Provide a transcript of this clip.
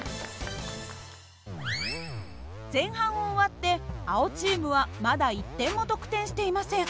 前半を終わって青チームはまだ１点も得点していません。